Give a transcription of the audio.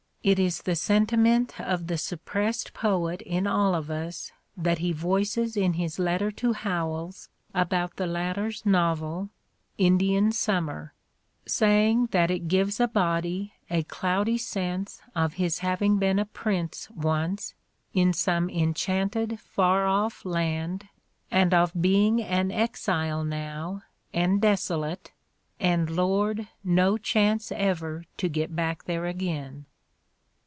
It is the sentiment of the suppressed poet in all of us that he voices in his letter to Howells about the latter 's novel, "Indian Summer" — saying that it gives a body '' a cloudy sense of his having been a prince, once, in some enchanted, far off land, and of being an exile now, and desolate — and Lord, no chance ever to get back there again!"